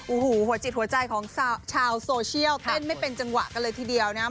โอ้โหหัวจิตหัวใจของชาวโซเชียลเต้นไม่เป็นจังหวะกันเลยทีเดียวนะครับ